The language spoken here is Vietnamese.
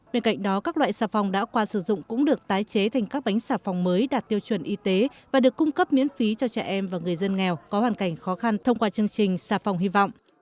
bên cạnh đó các loại sản phẩm đã qua sử dụng cũng được tái chế thành các bánh sản phẩm mới đạt tiêu chuẩn y tế và được cung cấp miễn phí cho trẻ em và người dân nghèo có hoàn cảnh khó khăn thông qua chương trình sản phẩm hy vọng